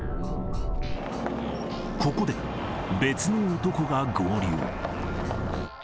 ここで、別の男が合流。